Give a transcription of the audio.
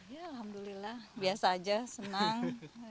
ya alhamdulillah biasa aja senang